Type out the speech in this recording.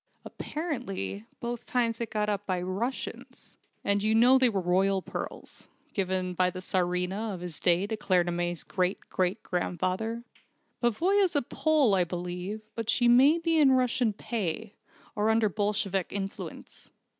Apparently both times it was got up by Russians. And you know they were royal pearls, given by the Tsarina of his day to Claremanagh's great great grandfather. Pavoya's a Pole, I believe, but she may be in Russian pay, or under Bolshevik influence.